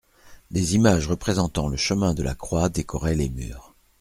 Des images représentant le chemin de la croix décoraient les murs.